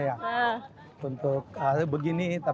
kita justru baru ke kantor